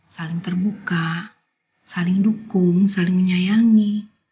saling terbuka saling dukung saling menyayangi